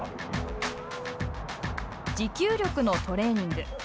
持久力のトレーニング。